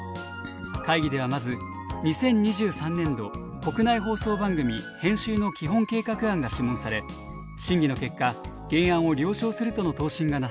会議ではまず「２０２３年度国内放送番組編集の基本計画案」が諮問され審議の結果原案を了承するとの答申がなされました。